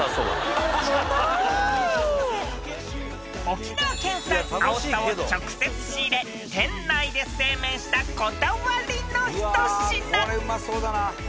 ［沖縄県産アオサを直接仕入れ店内で製麺したこだわりの一品］